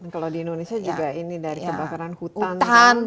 kalau di indonesia juga ini dari kebakaran hutan